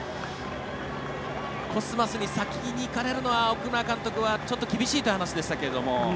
コスマスに先に行かれるのは奥村監督はちょっと厳しいという話でしたが。